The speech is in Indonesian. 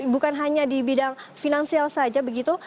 bukan hanya di bidang finansial saja begitu